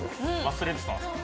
忘れてたんですか？